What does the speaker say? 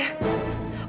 udah mama kesan lagi